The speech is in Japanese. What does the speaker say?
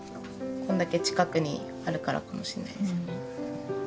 こんだけ近くにあるからかもしれないですよね。